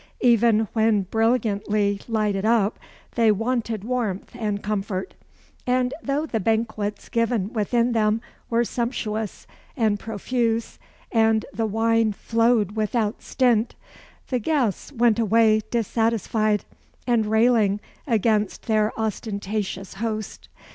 Even when brilliantly lighted up, they wanted warmth and comfort; and though the banquets given within them were sumptuous and profuse, and the wine flowed without stint, the guests went away dissatisfied, and railing against their ostentatious host.